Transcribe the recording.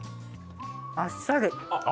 あっさり？